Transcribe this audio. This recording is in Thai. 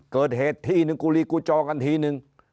เกิดเหตุที่หนึ่งกูลีกูจอกันทีนึง